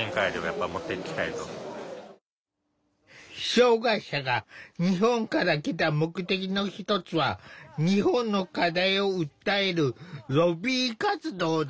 障害者が日本から来た目的の一つは日本の課題を訴えるロビー活動だ。